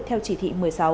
theo chỉ thị một mươi sáu